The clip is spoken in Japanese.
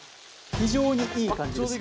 非常にいい感じです。